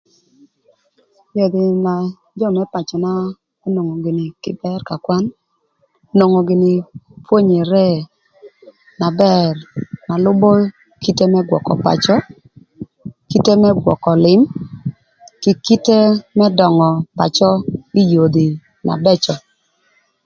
Yodhi na jö më pacöna onwongo gïnï kï bër ka kwan, onwongo gïnï pwonyere na bër na lübö kite më gwökö pacö, kite më gwökö lïm, kï kite më döngö pacö ï yodhi na bëcö.